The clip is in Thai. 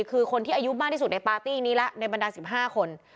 คือคนที่อายุมากที่สุดในปาร์ตี้นี้แล้วในบรรดา๑๕คน